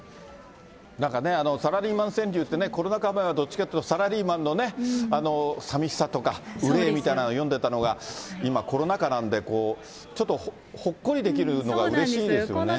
なんかね、サラリーマン川柳ってね、コロナ禍前はどっちかというとサラリーマンのね、さみしさとか憂いみたいなのを詠んでたのが、今、コロナ禍なんでちょっとほっこりできるのがうれしいですよね。